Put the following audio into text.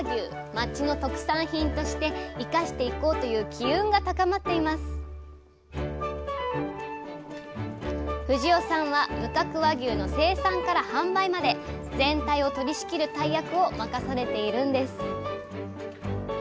町の特産品として生かしていこうという機運が高まっています藤尾さんは無角和牛の生産から販売まで全体を取りしきる大役を任されているんです